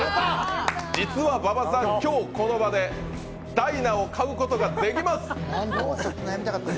実は馬場さん、今日、この場でダイナを買うことができます！